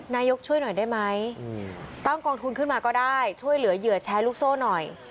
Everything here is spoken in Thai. นายกช่วยหน่อยได้ไหมตั้งกองทุนขึ้นมาก็ได้ช่วยเหลือเหยื่อแชร์ลูกโซ่หน่อย